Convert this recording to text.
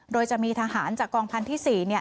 โดยจะมีทหารจากกองพันธุ์ที่๔